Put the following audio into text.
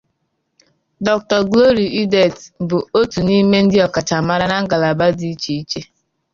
Dr Glory Edet bụ otu n'ime ndị ọkachamara na ngalaba dị iche iche.